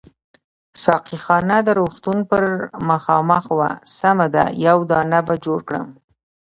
ساقي خانه د روغتون پر مخامخ وه، سمه ده یو دانه به جوړ کړم.